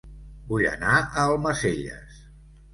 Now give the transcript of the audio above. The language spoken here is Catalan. Vull anar a Almacelles